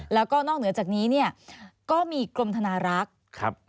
แล้วก็นอกเหนือจากนี้ก็มีกรมธนารักษ์